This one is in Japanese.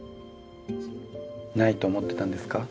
ないと思ってたんですか？